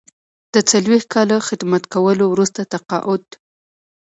د څلویښت کاله خدمت کولو وروسته تقاعد.